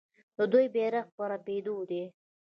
د دوی بیرغ په رپیدو دی.